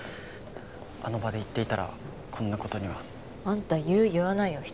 あの場で言っていたらこんな事には。あんた言う言わないを人で分けてるの？